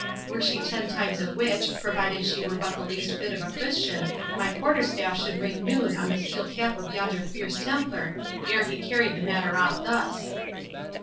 Were she ten times a witch, provided she were but the least bit of a Christian, my quarter staff should ring noon on the steel cap of yonder fierce Templar, ere he carried the matter off thus."